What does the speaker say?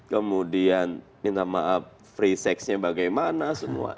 kemudian minta maaf free sexnya bagaimana semua